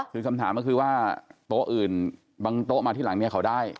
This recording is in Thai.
คือคำถามก็คือว่าโต๊ะอื่นบางโต๊ะมาที่หลังเนี่ยเขาได้